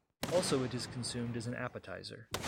Also it is consumed as an appetizer.